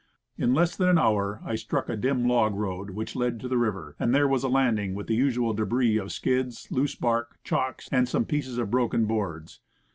In less than an hour I struck a dim log road which led to the river, and there was a "landing," with the usual debris of skids, loose bark, chocks, and some pieces of broken boards.